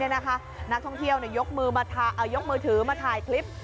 นักท่องเที่ยวยกมือยกมือถือมาถ่ายคลิป